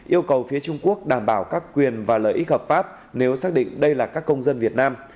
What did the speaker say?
yêu cầu phía trung quốc đảm bảo các quyền và lợi ích hợp pháp nếu xác định đây là các công dân việt nam